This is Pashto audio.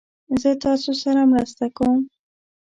زه تاسو سره مرسته کوم